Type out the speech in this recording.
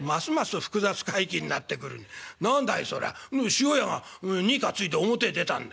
「塩屋が荷担いで表へ出たんだ。